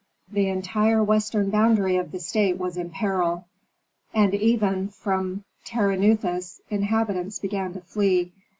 The entire western boundary of the state was in peril, and even from Terenuthis inhabitants began to flee.